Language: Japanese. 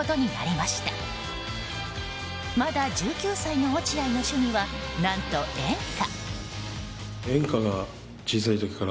まだ１９歳の落合の趣味は何と演歌。